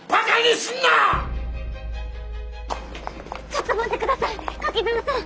ちょっと待ってください柿沢さん！